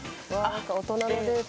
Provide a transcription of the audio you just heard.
何か大人のデート